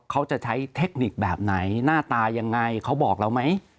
เขาจะใช้เทคนิคแบบไหนหน้าตายังไงเขาบอกเราไหม